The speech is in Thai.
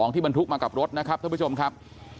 ที่บรรทุกมากับรถนะครับท่านผู้ชมครับ